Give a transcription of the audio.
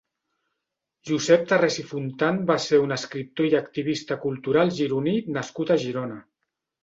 Josep Tarrés i Fontan va ser un escriptor i activista cultural gironí nascut a Girona.